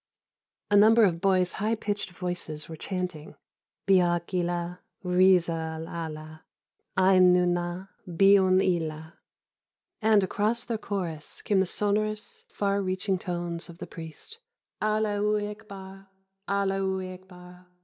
A number of boys' high pitched voices were chanting "Bihak illah, rizal l' Allah! A'ain nu na, bi aun illah!" and, across their chorus, came the sonorous, far reaching tones of the priest "_Allah hu akbar! Allah hu akbar!